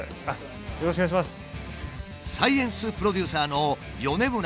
よろしくお願いします。